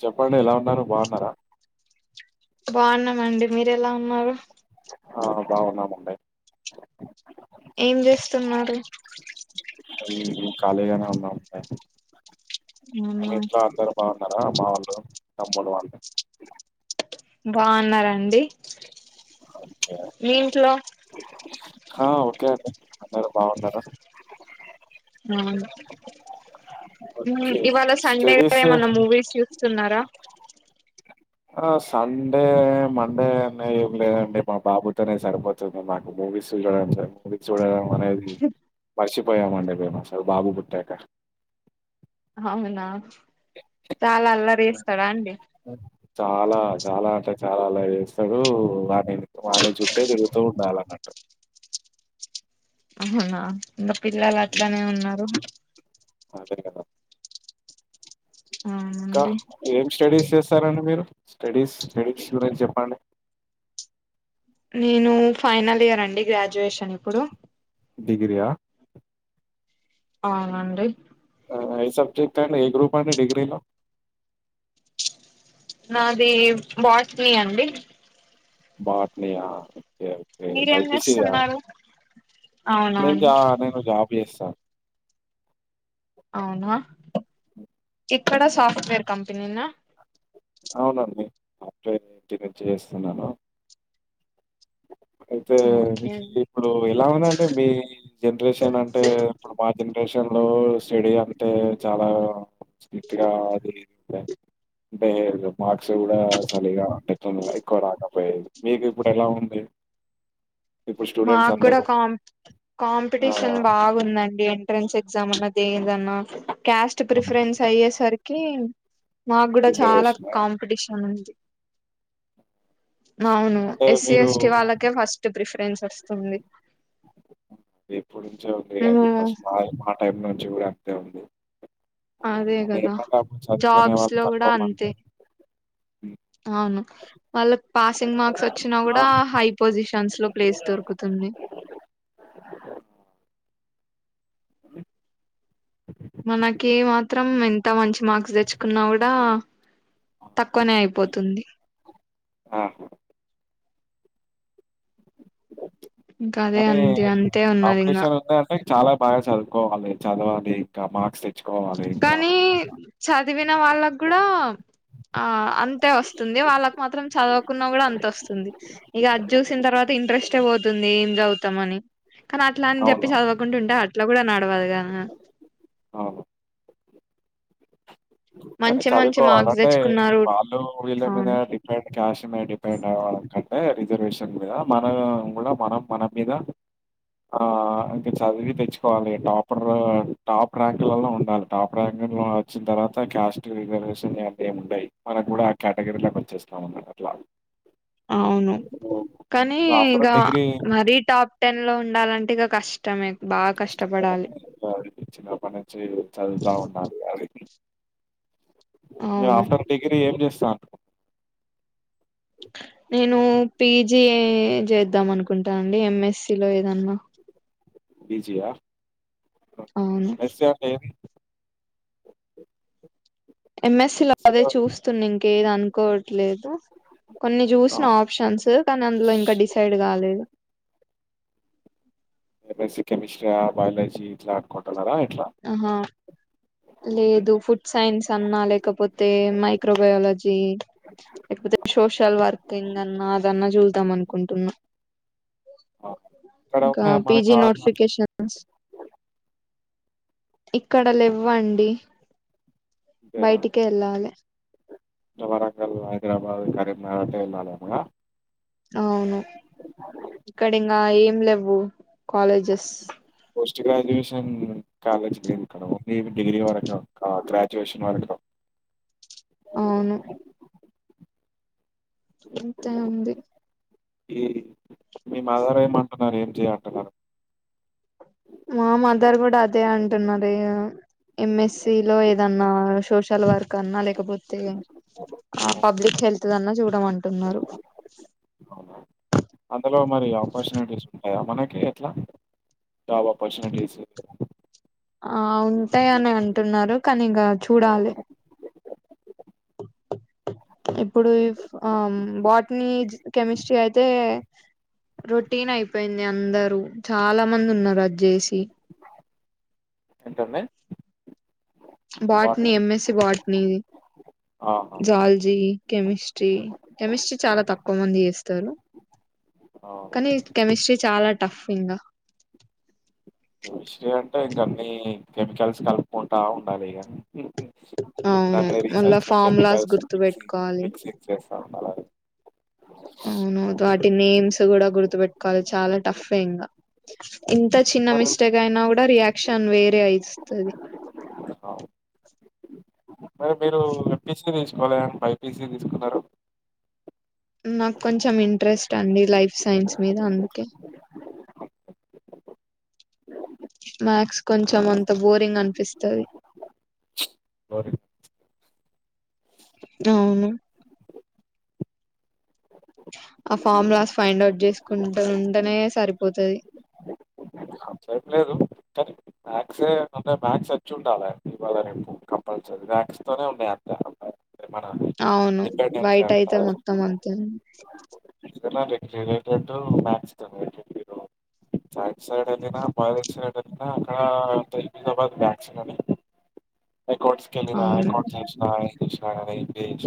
చెప్పండి ఎలా ఉన్నారు బావున్నారా బావున్నామండి మీరు ఎలా ఉన్నారు ఆ బావున్నామండి ఏం చేస్తున్నారు పని లేదు ఖాళీగానే ఉన్నాం అవునా, ఇంట్లో అందరు బావు మన మా వోళ్ళు తమ్ముడు వాళ్ళు బావున్నారండి మీ ఇంట్లో హా ఓకే అండి అందరు బావున్నారు ఓకే ఇవాళ సండే గద స్టడీస్ ఏమన్నా మూవీస్ చూ స్తున్నారా ఆ సండే మండే అనే ఏం లేదండి మా బాబుతోనే సరిపోతుంది నాకు విడ్ని చూడడనిక వీడ్ని చూడడం అనేది మర్చిపోయమండి మేము అస్సలు బాబుపుట్టక అవునా చాలా అల్లరి ఎస్తాడా అండి చాలా చాలా అంటే చాలా అల్లరి చేస్తారు వాడిని వాని చుట్టే తిరుగుతూ ఉండాల అన్నట్టు అవునా ఇంకా పిల్లలు ఉమ్, అట్లనే ఉన్నారు అదే కదా ఇంకా అవునండి ఏం స్టడీస్ చేస్తారండి మీరు స్టడీస్ స్టడీస్ గురించి చెప్పండి నేను ఫైనల్ ఇయర్ అండి గ్రాడ్యుయేషన్ ఇప్పుడు డిగ్రీ యా అవునండి ఆ, ఏ సబ్జెక్ట్ ఏ గ్రూప్ అండి డిగ్రీ లో నాది బోట్ని అండి బట్నియా ఒకే ఒకే మీరేం బైపిసి ఆ చేస్తున్నారు నేను అవునవును జా నేను జాబ్ పిఎస్ ఆ అవునా ఎక్కడ సాఫ్ట్వేర్ కంపెనీనా అవునండి అఫ్టర్ ఇంటి నించే చేస్తున్నాను అయితే ఓకే మీ జిల్ అండి ఇప్పుడు ఎలా ఉందండి మీ జనరేషన్ అంటే ఇప్పుడు మా జనరేషన్ లో స్టడీ అంటే చాలా స్ట్రిక్ట్ గా అది అంటే మార్క్స్ కూడా సరిగా డిప్లొమా ఎక్కువ రాకపోయేది మీకు ఇప్పుడు ఎలా ఉంది ఇప్పుడు స్టూడెంట్స్ మాకు కూడా అందరూ కాం ఆ! కాంపిటీషన్ బాగ ఉదండి ఎంట్రెన్స్ ఎగ్జామ్ అన్నది ఏది అన్నా క్యాస్ట్ అవును. ప్రిఫరెన్స్ అయ్యేసరికి మాకు కూడా చాలా రిజర్వేషనా? కాంపిటీషన్ ఉంది అవును అంటే ఎస్సీ మీరు ఎస్టీ వాళ్ళకే ఫస్ట్ ప్రిఫరెన్స్ వస్తుంది ఎప్పుడు నుంచే ఉంది మేము అది ఫస్ట్ మా మా టైం నుంచి కూడా అంతే ఉంది అదే కానీ గదా ఏంటంటే అప్పుడు చదువుకునే జాబ్స్ వాళ్ళు లో గూడా తక్కువ మంది. అంతే, హ్మ్. అవును వాళ్ళక్ పాసింగ్ మార్క్స్ వచ్చినా ఆ! గూడా హై పొజిషన్ టన్స్ లో ప్లేస్ దొరుకుతుంది మనకే మాత్రం ఎంత మంచి మార్క్స్ దెచ్చుకున్నా గుడా తక్కువనే అయిపోతుంది ఆ! ఇంకా అదే బ కనీ అంది అంతే ఉన్నది ఇంగ కాంపిటీషన్ ఉంది అంటే చాలా బాగా చదువుకోవాలి, చదవాలి కా మార్క్స్ ఎ కనీ చదివిన వాళ్ళగ్గుడా ఆ అంతే వస్తుంది, వాళ్ళకు మాత్రం చదువుకున్న గుడా అంతొస్తుంది. ఇగ అజ్జూసిన్ తర్వాత ఇంత ట్రెస్ట్ బోతుంది ఏం జవ్ తమని కనట్లాన్ చెప్పి అవును. చదవకుంటుమ్టే అట్లా గుడ నడవదు గా మ అవును. కనీ మంచి మంచి మార్క్స్ చదువుకోవాలంటే తెచ్చుకున్నారు వాళ్ళు వీళ్ళ మీద అవును డిపెండ్ క్యాష్ మీద డిపెండ్ అవ్వడం కం టే రిజర్వేషన్ మీద మనం గుడా మనం మన మీద ఆ ఇంక చదివి తెచ్చుకోవాలి టాపర్ టాప్ ర్యాంక్లల్లో ఉండాలి టాప్ ర్యాంక్ లో అచ్చిన్తర్వాత త కాస్ట్ రిజర్వేషన్ అలాంటియి ఏం ఉండయి. మనగ్గుడా ఆ కేటగిరీల పని చేస్తామన్నమాట అట్లా అవును ఓహ్! కనీ ఇగ ఆఫ్టర్ డిగ్రీ మరీ టాప్ టెన్ లో ఉండాలంట్ టిగా కష్టమే బాగా కష్టమే కష్టపడాలి గనీ ఇగా చిన్నప్పనించి చదువుతా వుండాలిగా ఇగ అవును ఆఫ్టర్ డిగ్రీ ఏం చేస్తాన్రు నేను పీజి ఏ జేద్దామనుకుంటానండి ఎం ఎస్ సి లో ఏదన్నా పి జి యా అవును ఎం ఎస్ సి లో అదే ఎంఎస్సీలో చూస్తున్న ఇంకేది అనుకోవట్లేదు కొన్ని జూసిన అవును. ఆప్షన్స్ కనందులో ఇంకా డిసైడ్ గాలేదు. ఎం ఎస్ సి కెమిస్ట్రీ ఆ, బయాలజీ ఇట్లా అనుకుంటున్నారా ఇంక్ ఆహా హ్మ్. లేదు ఫుడ్ సైన్స్ అన్నా లేకపోతే మైక్రోబయాలజీ సోషల్ వర్కింగ్ అన్నా అదన్నా చూస్దాం అనుకుంటున్నా ఆ! ఇక్కడ ఇంకా ఉన్నాయా పి మనకి జీ నోటిఫికేషన్స్ ఇక్కడల్లేవ్వండి బయటికే ఎల్లాలె క వరంగల్, హైదరాబాద్, కరీంనగర్ అట్ల ఏళ్లలేమో గదా అవును ఇక్కడింగా ఏం లేవ్వు కాలేజెస్ పోస్ట్ గ్రాజుయేషన్ కాలేజ్ [unintelligible] మీది డిగ్రీ వరకా గ్రాజుయేషన్ వరకే [inaudible] అవును ఇంతే అండి ఈ మీ మదర్ ఏమంటున్నారు, ఏం చేయ్ అంటున్నరు? మా మదర్ గూడ అదే అంటున్నారు ఎం ఎస్ సి లో ఏదన్నా సోషల్ వర్క్ అన్నా లేకపోతే ఆ పబ్లిక్ హెల్త్ అన్నా జూడ్ అవునా అందులో మరి ఆపర్చునిటీస్ ఉంటయా మనకి టె ఎట్ల జాబ్ ఆపర్చునిటీస్ ఆ ఉంటాయని అంటున్నారు కానీ ఇంకా చూడాలి [inaudible] ఇప్పుడు ఇఫ్ ఆ బాటనీ, జ్ కెమిస్ట్రీ అయితే రొటీన్ అయిపోయింది అందరూ, చాలా మందున్నరు అది జేసి. ఏంటన్డి బాట్నీ ఎమ్ఎస్సి బాట్నీ ఆహా! జాలజీ కెమిస్ట్రీ కెమిస్ట్రీ చాలా తక్కువ మంది చేస్తారు [inaudible] అవును. కానీ కెమిస్ట్రీ చాలా టఫ్ ఇంగా కెమిస్ట్రీ అంటే ఇంక అన్ని కెమికల్స్ కలుపుకుంటా ఉండాలి ఇగ అవును దాన్ని మీదా మళ్ళా రీసెర్చ్ ఫార్ములాస్ కెమికల్స్ గుర్తు మిక్ంగ్ పెట్టుకోవాలి మిక్సింగ్ చేస్తా ఉండాల అవును వాటి నేమ్స్ కూడా గుర్తుపెట్టుకోవాలి చాలా టాఫ్ ఏ ఇంకా ఇంత చిన్న మిస్టేక్ అయినా కూడా రియాక్షన్ వేరే అయిస్తది మరి మరి మీరు ఏంపీసీ తీసుకోవాలి గానీ బై పి సి తీసుకున్నారు నాకు కొంచెం ఇంట్రెస్ట్ అండి లైఫ్ సైన్స్ మీద అందుకే మ్యాథ్స్ కొంచెం అంత బోరింగ్ అనిపిస్తది బోరింగ్ అవును ఆ ఫాములాస్ ఫైండ్ ఔట్ చేసుకుంటూ ఉంటేనే సరిపోతది అట్లా ఏం లేదు [inaudible] మ్యాథ్స్ ఏ అంటే మ్యాథస్ వచ్చి ఉండాలి ఇవాళ రేపు కంపల్సరీ మ్యాథస్ తోనే ఉన్నాయి అంత మన అవును డిపెండెన్సీ బయట అంతా అయితే మొత్తం అంతే ఉంది [inaudible] మ్యాథ్స్ సైడ్ వెళ్ళిన బయాలజీ సైడ్ వెళ్ళినా అక్కడ [inaudible] లోనే అకౌంట్స్ కెలినా అవును అకౌంట్స్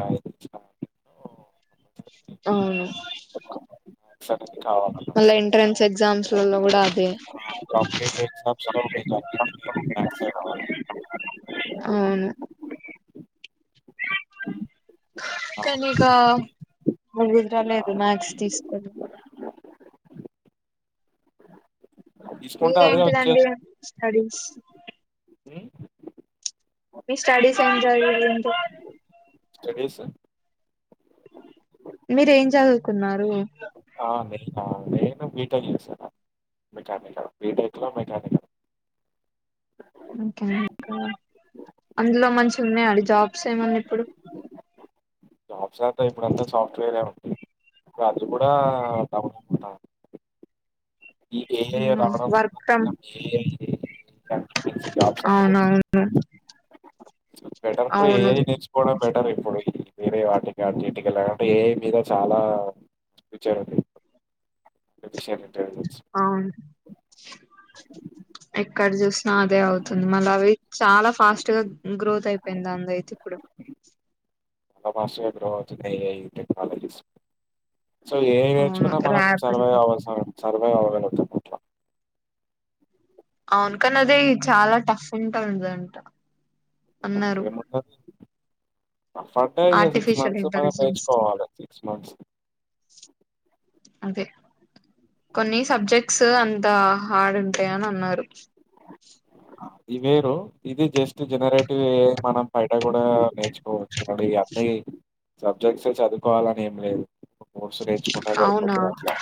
[inaudible] కంపల్సరీ అవును అ [inaudible] మళ్ళా ఎంట్రెన్స్ ఎగ్జామ్స్ లోలో కూడా అదే కాంపిటీటివ్ ఎగ్జామ్స్ లో [inaudible] మ్యాథ్స్ ఏ రావాలి అవును అ కానీ ఇగ [unintelligible] రాలేదు మ్యాక్స్ తీసుకొవాలి అని తీసుకుంటే మీర్ అదే ఏంటిదండి స్టడీస్ ఉమ్ మీ స్టడీస్ ఎం చదివీరు అండి స్టడీస్ మీర్ ఏం చదువుకున్నారు ఆ నేనా నేను బీటెక్ చేశా మెకానికల్ బీటెక్లో మెకానికల్ ఒకే ఇంకా అందులో మంచి ఉన్నాయండీ జాబ్స్ ఏమన్నా ఇప్పుడు జాబ్స్ అంత ఇప్పుడుంతా సాఫ్ట్వేర్ ఏ ఉంది అది కూడా డామినేట్ [unintelligible] ఈ ఏఐ రావడం వల్ల వర్క్ ఫ్రమ్ [inaudible] చెప్పేసి జాబ్స్ అన్ని పోతున్నాయి అవునవును బెటర్ టు అవును ఏఐ నిర్చుకోడం బెటర్ ఇప్పుడు వేరే వాటి కా ఇటికెళ్ళడం ఏఐ మీద చాలా విచ్చదండి [unintelligible] అవును ఎక్కడ చూసినా అదే అవుతుంది మళ్ళ అవి చాలా ఫాస్ట్ గా గ్రోత్ అయిపోయింది దాంతయితే ఇప్పుడు ఆ మస్తుగా బ్రో ఇప్పుడు ఏఐ టెక్నాలజీస్ సో ఏ అవును నేర్చుకున్నా మనం ర్యాపిడ్ సర్వై్ గా అవస సర్వై్ అవ్వగలుగుతాం అట్లా అవును కని అదే చాలా టఫ్ ఉంటాదంట అన్నారు ఫడ్ ఇగ సిక్స్ ఆర్టిఫిషియల్ మంత్స్ మనం ఇంటెలిజెన్స్ ది. నేర్చుకోవాలి సిక్స్ మంత్స్ అదే కొన్ని సబ్జెక్ట్స్ అంతా హార్డ్ ఉంటాయని అన్నారు ఇవి వేరు ఇది జస్ట్ జనరేటివ్ ఏఐ మనం ప ఇట్ట కూడా నేర్చుకోవచ్చు మ అన్ని సబ్జెక్ట్స్ చదువుకోవాలని ఏం లేదు మూడ్సు నేర్చుకున్నా అవునా సరిపోతుంది అట్లా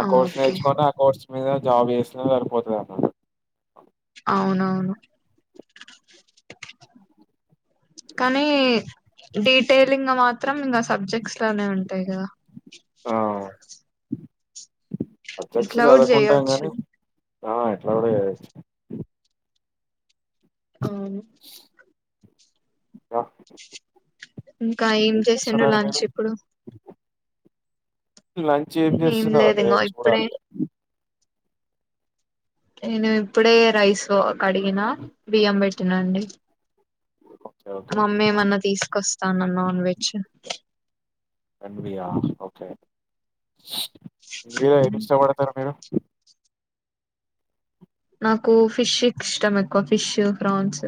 ఆ కోర్స్ ఓకే నేర్చుకుొని ఆ కోర్స్ మీద జాబ్ చేసిన సరిపోతది అన్నమ అవునవును కానీ డీటెయిలింగ మాత్రం ఇంక సబ్జెక్ట్స్ లోనే ఉంటాయి గ ఆ సబ్జెక్ట్స్ ఇట్లా కూడా చదవుకుంటాం చేయొచ్చు కగాని ఆ ఎట్ల కూడా జేయోచ్య అవును ర ఇంక ఏం చేసెండ్రు లంచ్ ఇప్పుడు లంచ్ ఏం నేను చేస్తున్నారుా లేదు నేన ఇంగో ఇప్పుడే చూడాలె నేను ఇప్పుడే రైస్ కడిగినా బియ్యం పెట్టినా అండి ఓకే మమ్మీ ఓకే ఏమన్న తీసుకొస్తానన్ నాన్ వెజ్ మమ్మయ ఓకే ఇందులో ఏమి ఇష్టపడతారుా మీరు నాకు ఫిష్ ఇష్టం ఎక్కువ ఫిష్ ప్రాన్స్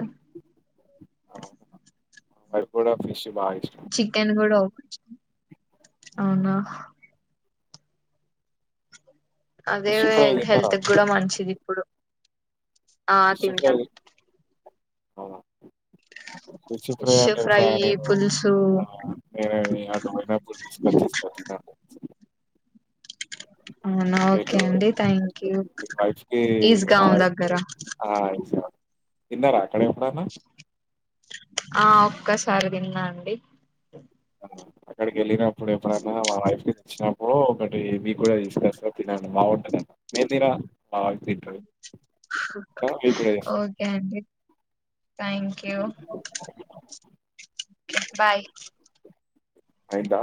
అరి కూడ ఫిష్ బాగా ఇష్టం చికెన్ కూడ అవునా అదే ఫిష్ వే ఫ్రై తింటారా హెల్త్ కూడ మీరు మంచిది ఇప్పుడు ఆ తింటా కృచి ఫ్రై ఫిష్ అంటె ప్ర పులుసు ఆ అంటే నేను అటువైనా పర్ తీసుకొచ్చ తీసుకొ తన్నాను అవునా ఓకే ఎటు అండి థ్యాంక్యూ మీ వైఫ్ కి ఈజ్గా మా అం వైఫ్ కి దగ్గర ఆ ఈజ్గా తిన్నారఅక్కడ ఎప్పుడనా ఆ ఒక్కసారి తిన్నా అండి అ అక్కడికి వెళ్ళినప్పుడు ఎప్పుడన్నా మా వైఫ్ ని ఇచ్చినప్పుడు ఒకటి మీకు కూడా తీసుకస్తా తినండి బాగుంటుద మేమ్మీర [unintelligible] ఓకే అండి థ్యాంక్యూ బాయ్ అయిందా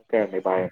ఓకే అండి బాయ్